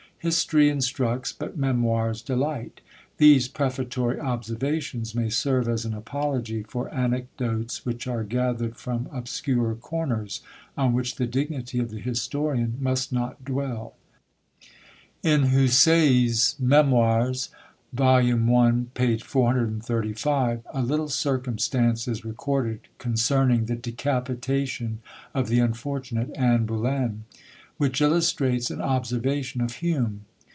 History instructs, but Memoirs delight. These prefatory observations may serve as an apology for Anecdotes which are gathered from obscure corners, on which the dignity of the historian must not dwell. In Houssaie's Memoirs, Vol. I. p. 435, a little circumstance is recorded concerning the decapitation of the unfortunate Anne Bullen, which illustrates an observation of Hume.